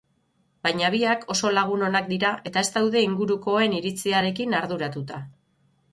Baina biak oso lagun onak dira eta ez daude ingurukoen iritziarekin arduratuta.